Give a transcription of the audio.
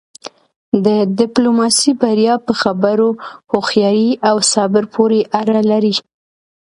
د ډیپلوماسی بریا په خبرو، هوښیارۍ او صبر پورې اړه لری.